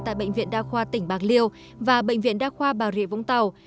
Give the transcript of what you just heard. tại bệnh viện đa khoa tỉnh bạc liêu và bệnh viện đa khoa bà rịa vũng tàu